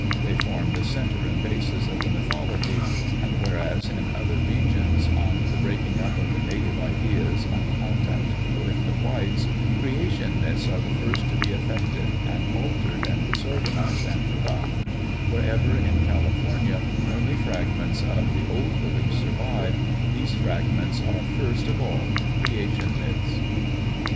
They form the center and basis of the mythology; and whereas in other regions, on the breaking up of the native ideas on contact with the whites, creation myths are the first to be affected and altered and disorganized and forgotten, wherever in California only fragments of the old beliefs survive, these fragments are first of all creation myths.